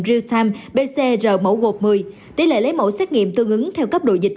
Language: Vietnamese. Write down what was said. real time pcr mẫu gột một mươi tỷ lệ lấy mẫu xét nghiệm tương ứng theo cấp độ dịch